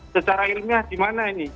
secara ilmiah dimana ini